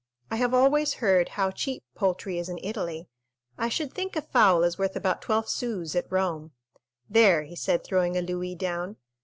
I have always heard how cheap poultry is in Italy; I should think a fowl is worth about twelve sous at Rome.—There," he said, throwing a louis down.